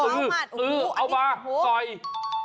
มาวหมัด